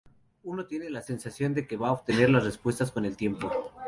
Uno tiene la sensación de que va a obtener las respuestas con el tiempo.